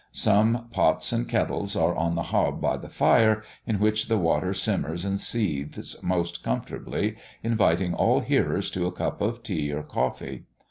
Some pots and kettles are on the hob by the fire, in which the water simmers and seethes most comfortably, inviting all hearers to a cup of tea or coffee.